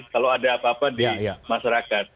kalau ada apa apa di masyarakat